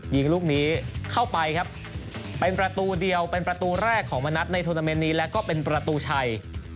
ยิงลูกนี้เข้าไปครับเป็นประตูเดียวเป็นประตูแรกของมณัฐในโทรนาเมนต์นี้แล้วก็เป็นประตูชัย